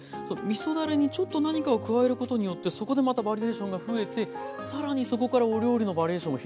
みそだれにちょっと何かを加えることによってそこでまたバリエーションが増えて更にそこからお料理のバリエーションも広がっていくっていう。